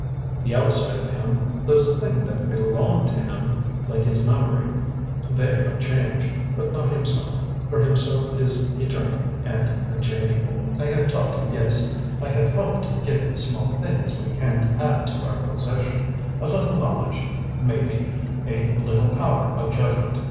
The outside of him, those thing that BELONG to him, like his memory, THEY have change, but not himself, for himself is eternal and unchangeable. I have taught him, yes; I have helped him get the small things we can add to our possession a little knowledge, maybe, a little power of judgment.